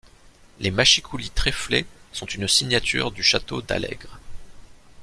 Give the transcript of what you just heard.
Les mâchicoulis tréflés sont une signature du château d’Allègre.